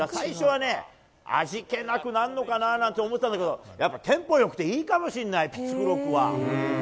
最初はね、味気なくなるのかなと思ったんだけど、やっぱり、テンポよくていいかもしんない、ピッチクロックは。